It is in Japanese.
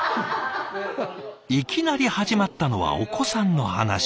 いきなり始まったのはお子さんの話。